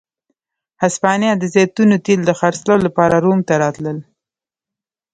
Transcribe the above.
هسپانیا د زیتونو تېل د خرڅلاو لپاره روم ته راتلل.